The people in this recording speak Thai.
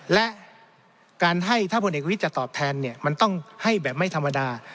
และการให้ถ้าพลเอกวิทย์จะตอบแทนเนี่ยมันต้องให้แบบไม่ธรรมดา